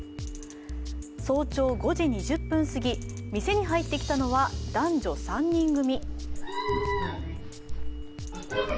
早朝５時２０分過ぎ、店に入ってきたのは男女３人組。